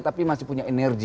tapi masih punya energi